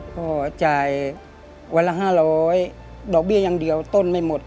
ก็จ่ายวันละ๕๐๐ดอกเบี้ยอย่างเดียวต้นไม่หมด